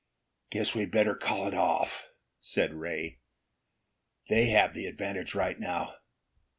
"Guess we'd better call it off," said Ray. "They have the advantage right now.